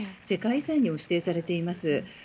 世界遺産にも指定されています。